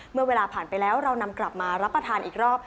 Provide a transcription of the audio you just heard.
เมื่อเวลาผ่านไปแล้วเรานำกลับมารับประทานอีกรอบ